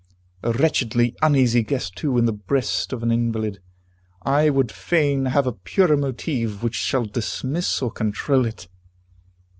A wretchedly uneasy guest too, in the breast of an invalid. I would fain have a purer motive, which shall dismiss or control it.